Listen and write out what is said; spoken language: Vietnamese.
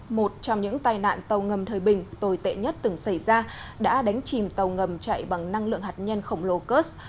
một trong những tai nạn tàu ngầm thời bình tồi tệ nhất từng xảy ra đã đánh chìm tàu ngầm chạy bằng năng lượng hạt nhân khổng lồ kurs